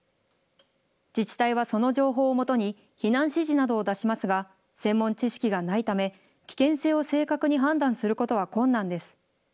自治体はその情報を基に、避難指示などを出しますが、専門知識がないため、危険性を正確に判断することは困難です。